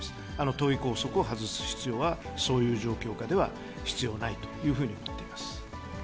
党議拘束を外す必要は、そういう状況下では必要ないというふうに思っています。